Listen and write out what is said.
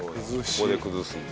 ここで崩すんだ。